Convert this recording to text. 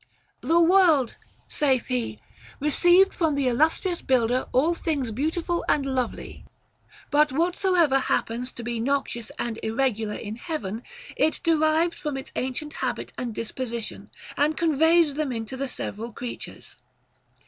"The world," saith he, "received from the Illustrious Builder all things beautiful and lovely ; but whatsoever happens to be noxious and irregular in heaven, it derives from its ancient habit and disposition, and conveys them into the several creatures."